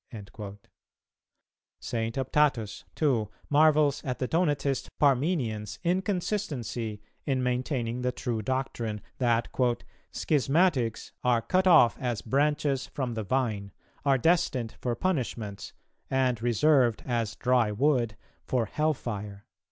"[269:4] St. Optatus, too, marvels at the Donatist Parmenian's inconsistency in maintaining the true doctrine, that "Schismatics are cut off as branches from the vine, are destined for punishments, and reserved, as dry wood, for hell fire."